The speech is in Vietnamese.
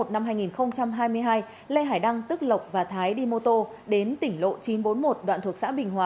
năm hai nghìn hai mươi hai lê hải đăng tức lộc và thái đi mô tô đến tỉnh lộ chín trăm bốn mươi một đoạn thuộc xã bình hòa